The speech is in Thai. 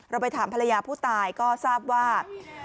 ไปถามภรรยาผู้ตายก็ทราบว่า